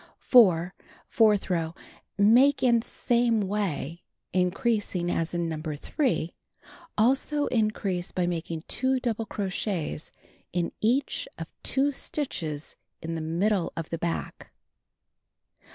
4. Fourth row: Make in same way, increasing as in No. 3. Also increase by making 2 double crochets in each of 2 stitches in the middle of the back.